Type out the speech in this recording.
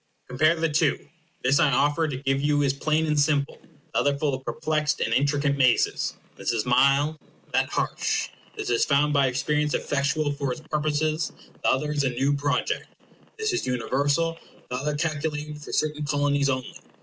Compare the two. This I offer to give you is plain and simple. The other full of perplexed and intricate mazes. This is mild; that harsh. This is found by experience effectual for its purposes; the other is a new project. This is universal; the other calculated for certain Colonies only.